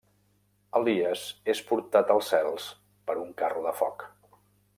Elies és portat als cels per un carro de foc.